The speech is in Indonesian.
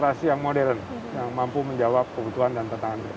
satu birokrasi yang modern yang mampu menjawab kebutuhan dan pertahanan tersebut